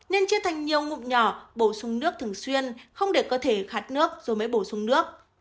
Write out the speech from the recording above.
nên chia thành nhiều ngụm nhỏ bổ sung nước thường xuyên không để cơ thể khát nước rồi mới bổ sung nước